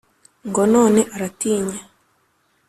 Ngo none aratinya